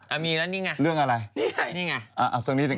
อ่ะมีแล้วนี่ไงกันไงซักนิดหนึ่ง